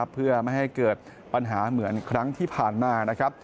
เพื่อไม่ให้เกิดปัญหาเหมือนครั้งที่ผ่านมานะครับ